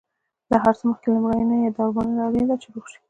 له هر څه مخکې لمرینه درملنه اړینه ده، چې روغ شې.